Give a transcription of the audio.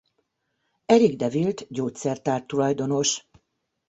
Erik de Wildt gyógyszertár tulajdonos.